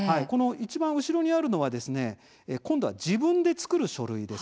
いちばん後ろにあるのは今度は自分で作る書類です。